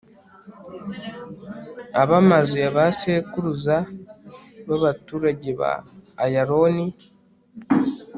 ab amazu ya ba sekuruza b abaturage ba ayaloni